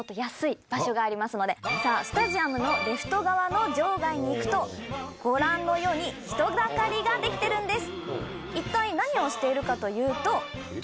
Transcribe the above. スタジアムのレフト側の場外に行くとご覧のように。というと。をしているんです。